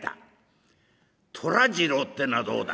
寅次郎ってえのはどうだ？」。